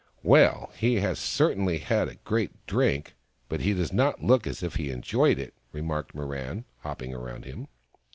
" Well, he has certainly had a great drink, but he does not look as if he had enjoyed it," remarked Mirran, hopping round him.